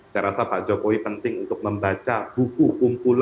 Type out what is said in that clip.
saya rasa pak jokowi penting untuk membaca buku